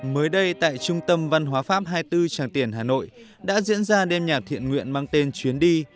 mới đây tại trung tâm văn hóa pháp hai mươi bốn tràng tiền hà nội đã diễn ra đêm nhạc thiện nguyện mang tên chuyến đi